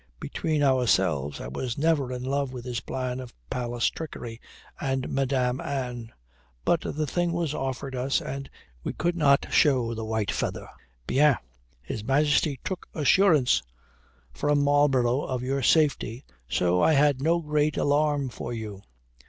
Between ourselves, I was never in love with this plan of palace trickery and Madame Anne. But the thing was offered us, and we could not show the white feather. Bien, His Majesty took assurance from Marlborough of your safety, so I had no great alarm for you.